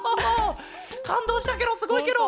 かんどうしたケロすごいケロ！